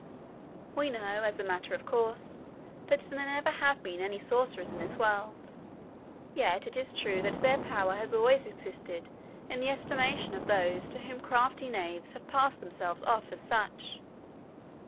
We know, as a matter of course, that there never have been any sorcerers in this world, yet it is true that their power has always existed in the estimation of those to whom crafty knaves have passed themselves off as such.